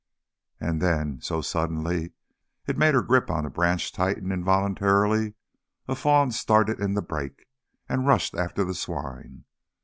And then, so suddenly it made her grip on the branch tighten involuntarily, a fawn started in the brake and rushed after the swine.